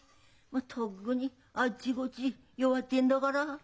もうとっぐにあっちこっち弱ってんだから。